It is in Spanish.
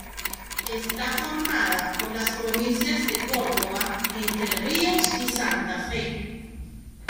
Está formada por las provincias de Córdoba, Entre Ríos y Santa Fe.